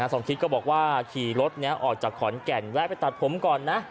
สมคิดก็บอกว่าขี่รถนี้ออกจากขอนแก่นแวะไปตัดผมก่อนนะ